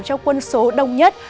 cho quân số đông nhất